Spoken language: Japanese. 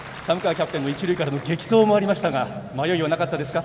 キャプテンの一塁からの激走もありましたが迷いはなかったですか？